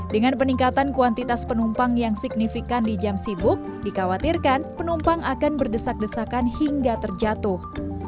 dengan peningkatan kuantitas penumpang yang signifikan di jam sibuk dikhawatirkan penumpang akan berdesak desakan hingga terjatuh